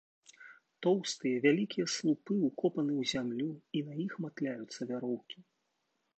Тоўстыя, вялікія слупы ўкопаны ў зямлю, і на іх матляюцца вяроўкі.